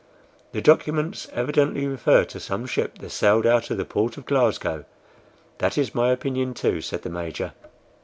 The documents evidently refer to some ship that sailed out of the port of Glasgow." "That is my opinion, too," said the Major.